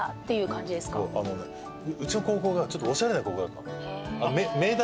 あのねうちの高校がちょっとおしゃれな高校だったの。